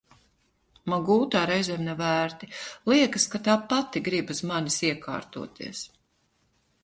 Man gultā reizēm nav ērti, liekas, ka tā pati grib uz manis iekārtoties.